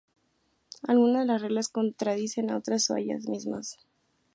Algunas de las reglas contradicen a otras, o a ellas mismas.